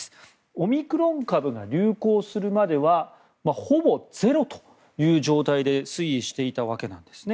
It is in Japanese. オミクロン株が流行するまではほぼゼロという状態で推移していたわけなんですね。